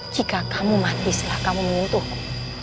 jika kamu mati setelah kamu menyentuhku